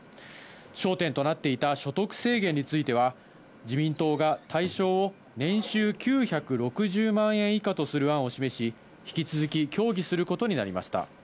焦点となっていた所得制限については、自民党が対象を年収９６０万円以下とする案を示し、引き続き協議することになりました。